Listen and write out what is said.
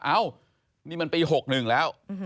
เอ้านี่มันปี๖๑แล้ว